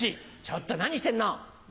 ちょっと何してんの。